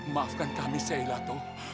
maafkan kami seh ilato